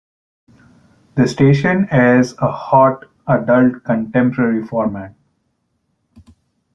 The station airs a hot adult contemporary format.